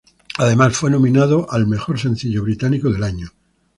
Además fue nominado en los al "Mejor sencillo británico del año".